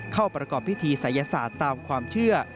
เข้าประกอบพิธีศัยศาสตร์ตามความเชื่อ